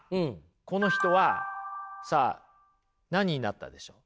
この人はさあ何になったでしょう？